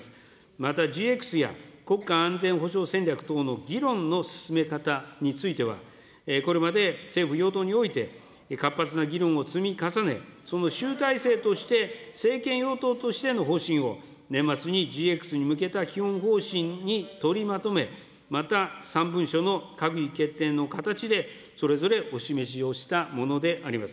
またＧＸや、国家安全保障戦略等の議論の進め方については、これまで政府・与党において、活発な議論を積み重ね、その集大成として、政権与党としての方針を、年末にＧＸに向けた基本方針に取りまとめ、また、３文書の閣議決定の形で、それぞれお示しをしたものであります。